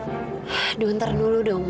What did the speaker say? aduh bentar dulu dong